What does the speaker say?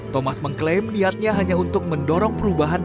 thomas mengklaim niatnya hanya untuk mendorong perubahan